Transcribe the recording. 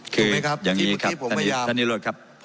คืออย่างนี้ครับท่านนี้รวรรดิครับ